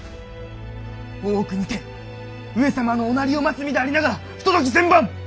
大奥にて上様のおなりを待つ身でありながら不届き千万！